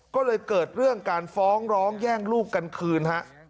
ก็เลยเกิดเรื่องการฟ้องร้องแย่งลูกกันคืนฮะ